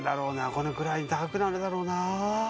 このくらいに高くなるだろうなあ